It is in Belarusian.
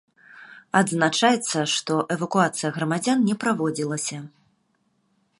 Адзначаецца, што эвакуацыя грамадзян не праводзілася.